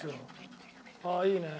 ああいいね。